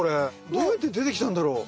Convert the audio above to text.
どうやって出てきたんだろう？